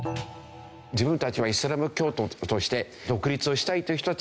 自分たちはイスラム教徒として独立をしたいという人たちがいる。